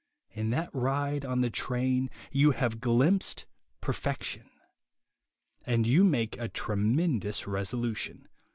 In that ride on the train you have glimpsed perfection. And you make a tremendous resolution.